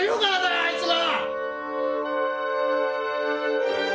あいつが！